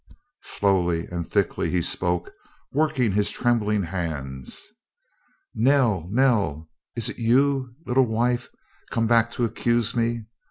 Slowly and thickly he spoke, working his trembling hands. "Nell Nell! Is it you, little wife, come back to accuse me?